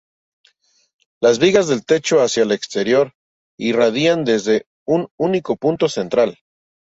Las vigas del techo hacia el exterior irradian desde un único punto central.